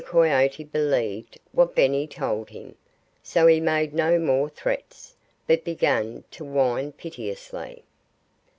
Coyote believed what Benny told him. So he made no more threats, but began to whine piteously.